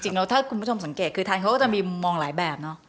จริงแล้วถ้าคุณผู้ชมสังเกตคือทานเขาก็จะมีมองหลายแบบเนาะ